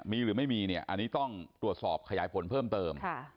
มีหรือไม่มีเนี่ยอันนี้ต้องตรวจสอบขยายผลเพิ่มเติม